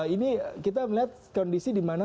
ini kita melihat kondisi di mana